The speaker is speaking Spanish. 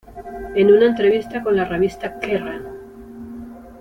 En una entrevista con la revista "Kerrang!